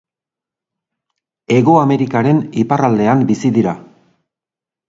Hego Amerikaren iparraldean bizi dira.